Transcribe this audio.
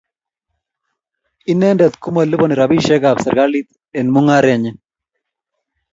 Inendet komalipani rabisiek ab serikalit eng mungaret nyin.